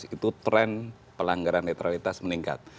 itu tren pelanggaran netralitas meningkat